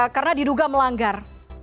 karena diduga melanggar